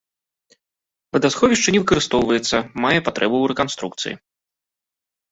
Вадасховішча не выкарыстоўваецца, мае патрэбу ў рэканструкцыі.